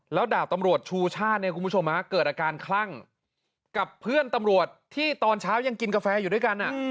แล้วดาบตำรวจชูชาติเนี่ยคุณผู้ชมเกิดอาการคลั่งกับเพื่อนตำรวจที่ตอนเช้ายังกินกาแฟอยู่ด้วยกัน